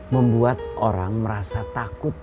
membuat orang merasa takut